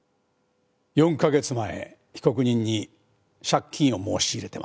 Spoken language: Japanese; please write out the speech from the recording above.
４カ月前被告人に借金を申し入れてますね？